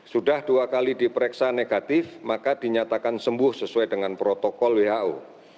sudah dua kali diperiksa negatif maka dinyatakan sembuh sesuai dengan protokol who